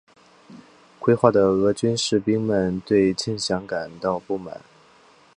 归化的俄军士兵们对欠饷感到不满。